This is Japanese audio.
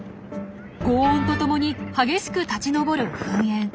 ごう音とともに激しく立ちのぼる噴煙。